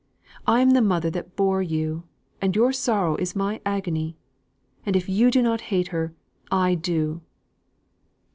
I am the mother that bore you, and your sorrow is my agony; and if you don't hate her, I do."